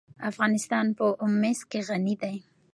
افغانستان په مس غني دی.